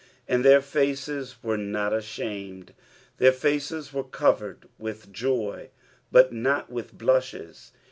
^^ And their facet were not atkamed." Their faces were covered with joy but not with blushes.